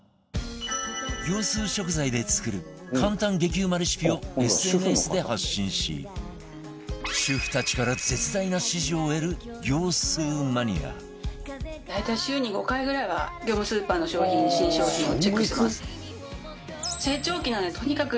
業スー食材で作る簡単激うまレシピを ＳＮＳ で発信し主婦たちから絶大な支持を得る業スーマニア大体週に５回ぐらいは業務スーパーの商品新商品をチェックしてます。